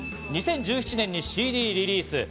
２０１７年にＣＤリリース。